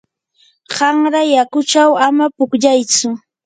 qanra yakuchaw ama pukllaytsu.